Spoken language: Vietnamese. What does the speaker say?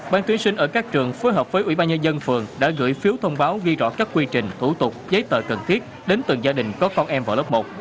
ban tuyển sinh ở các trường phối hợp với ủy ban nhân dân phường đã gửi phiếu thông báo ghi rõ các quy trình thủ tục giấy tờ cần thiết đến từng gia đình có con em vào lớp một